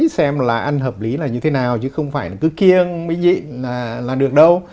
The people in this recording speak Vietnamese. xem là ăn hợp lý là như thế nào chứ không phải cứ kiêng mới nhịn là được đâu